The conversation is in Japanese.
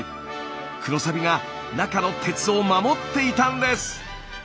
黒サビが中の鉄を守っていたんです！